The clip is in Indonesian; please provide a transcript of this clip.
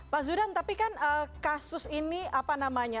pak zudan tapi kan kasus ini apa namanya